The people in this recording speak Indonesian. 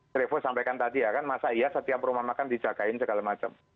trevo sampaikan tadi ya kan masa iya setiap rumah makan dijagain segala macam